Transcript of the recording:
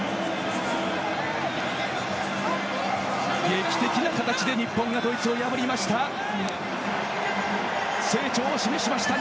劇的な形で日本がドイツを破りました。